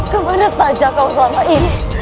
kemana saja kau selama ini